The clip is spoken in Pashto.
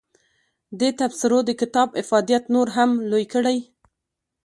دې تبصرو د کتاب افادیت نور هم لوی کړی.